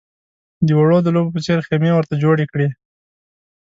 د وړو د لوبو په څېر خېمې ورته جوړې کړې.